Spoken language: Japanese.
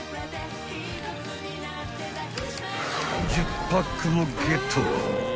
［１０パックもゲット］